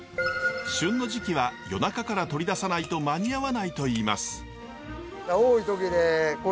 旬の時期は夜中から取り出さないと間に合わないといいます。